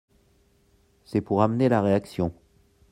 C’est pour amener la réaction…